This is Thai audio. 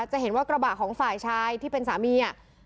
จะเห็นว่ากระบะของฝ่ายชาย